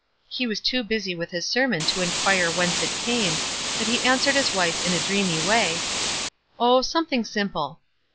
He was too busy with his sermon to inquire whence it came, but he answered his wife in a dreamy way, — "Oh, something simple."